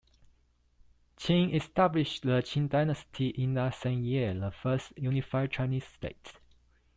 Qin established the Qin Dynasty in that same year, the first unified Chinese state.